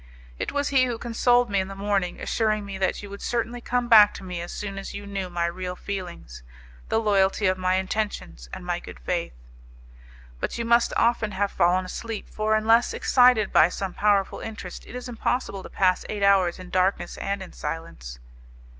It was he who consoled me in the morning assuring me that you would certainly come back to me as soon as you knew my real feelings, the loyalty of my intentions and my good faith." "But you must often have fallen asleep, for unless excited by some powerful interest, it is impossible to pass eight hours in darkness and in silence."